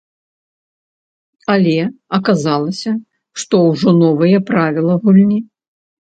Але аказалася, што ўжо новыя правілы гульні.